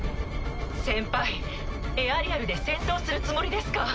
先輩エアリアルで戦闘するつもりですか？